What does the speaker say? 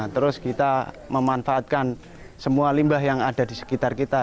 terus kita memanfaatkan semua limbah yang ada di sekitar kita